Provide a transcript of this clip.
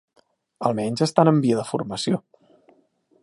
Almenys estan en via de formació.